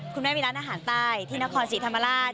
คุณแม่มีร้านอาหารใต้ที่นครศรีธรรมราช